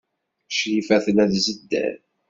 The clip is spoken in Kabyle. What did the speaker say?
Crifa tella tzedder.